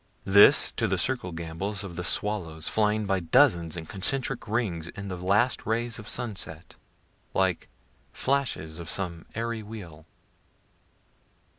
This, to the circle gambols of the swallows flying by dozens in concentric rings in the last rays of sunset, like flashes of some airy wheel.